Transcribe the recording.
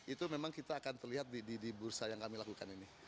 itu memang kita akan terlihat di bursa yang kami lakukan ini